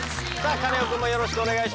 カネオくんもよろしくお願いします。